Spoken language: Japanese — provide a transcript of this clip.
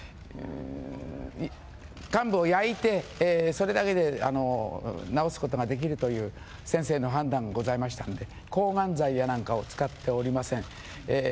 患部を焼いて、それだけで治すことができるという、先生の判断がございましたので、抗がん剤やなんかを使っておりません。